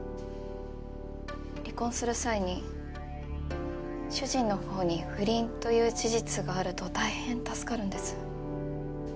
離婚する際に主人の方に不倫という事実があると大変助かるんです。